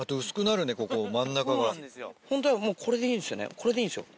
これでいいんですよ。